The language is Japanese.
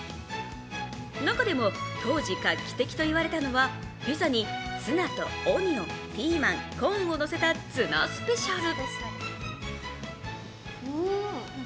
中でも、当時画期的と言われたのは、ピザにツナとオニオン、ピーマン、コーンをのせたツナ・スペシャル。